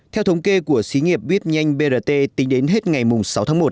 theo thống kê của xí nghiệp bít nhanh brt tính đến hết ngày sáu tháng một